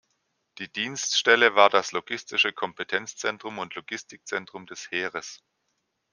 Die Dienststelle war das logistische Kompetenzzentrum und Logistikzentrum des Heeres.